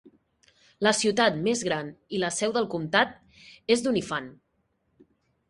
La ciutat més gran i la seu del comtat és Doniphan.